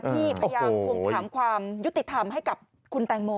พยายามทวงถามความยุติธรรมให้กับคุณแตงโม